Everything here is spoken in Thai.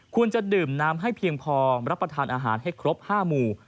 ควรจะดื่มน้ำให้เพียงพอรับประทานอาหารให้ครบ๕หมู่